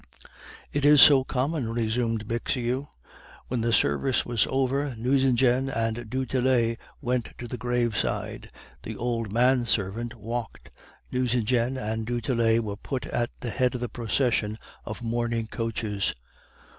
"It is so common!" resumed Bixiou. "When the service was over Nucingen and du Tillet went to the graveside. The old man servant walked; Nucingen and du Tillet were put at the head of the procession of mourning coaches.